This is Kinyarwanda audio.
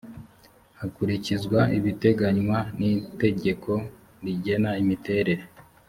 hakurikizwa ibiteganywa n itegeko rigena imiterere